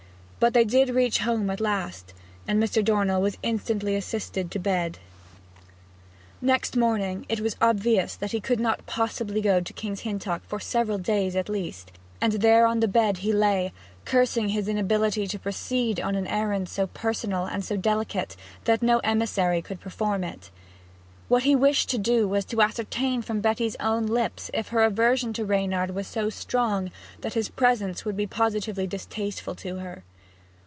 But they did reach home at last, and Mr. Dornell was instantly assisted to bed. Next morning it was obvious that he could not possibly go to King's Hintock for several days at least, and there on the bed he lay, cursing his inability to proceed on an errand so personal and so delicate that no emissary could perform it. What he wished to do was to ascertain from Betty's own lips if her aversion to Reynard was so strong that his presence would be positively distasteful to her.